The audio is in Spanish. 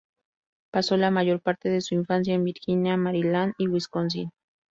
Pasó la mayor parte de su infancia en Virginia, Maryland y Wisconsin.